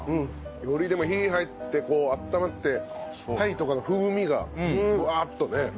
よりでも火入ってあったまって鯛とかの風味がぶわっとね広がる。